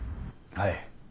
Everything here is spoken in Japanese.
はい。